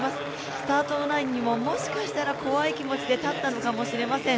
スタートラインにももしかしたら怖い気持ちで立ったのかもしれません。